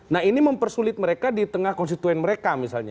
nah ini mempersulit mereka di tengah konstituen mereka misalnya